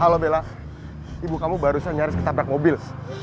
halo bella ibu kamu barusan nyaris ketabrak mobil